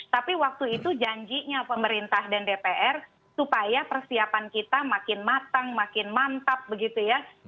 tapi waktu itu janjinya pemerintah dan dpr supaya persiapan kita makin matang makin mantap begitu ya